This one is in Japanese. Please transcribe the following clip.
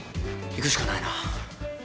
行くしかないな。